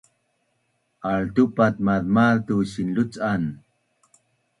Altupat mazma’az tu sinluc’an